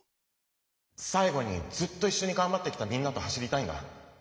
最後にずっといっしょにがんばってきたみんなと走りたいんだ。